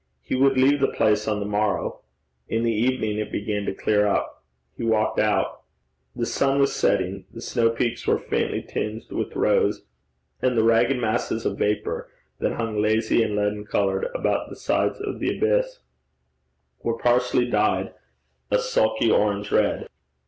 He would leave the place on the morrow. In the evening it began to clear up. He walked out. The sun was setting. The snow peaks were faintly tinged with rose, and the ragged masses of vapour that hung lazy and leaden coloured about the sides of the abyss, were partially dyed a sulky orange red.